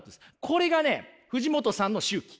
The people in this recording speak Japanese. これがね藤元さんの周期。